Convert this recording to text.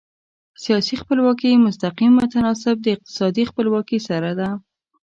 سیاسي خپلواکي مستقیم متناسب د اقتصادي خپلواکي سره ده.